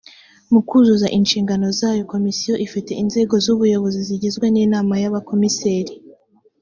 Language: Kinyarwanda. mu kuzuza inshingano zayo komisiyo ifite inzego z’ubuyobozi zigizwe n’inama y abakomiseri